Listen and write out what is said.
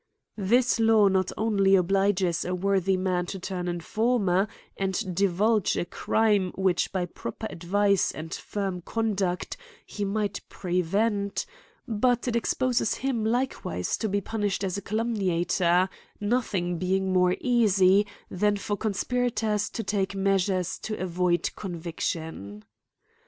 This law not only obliges a worthy man to turn informer, and divulge a crime which by proper advice, and firm conduct, he might prevent ; but, it exposes him likewise to be punished as a calum* niator ; nothing being more easy, than for con spirators to take measures to avoid conviction.